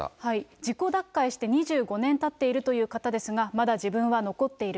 自己脱会して２５年たっているという方ですが、まだ自分は残っている。